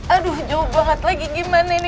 aduh jauh banget lagi gimana ini